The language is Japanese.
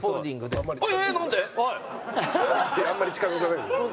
あんまり近付かないで。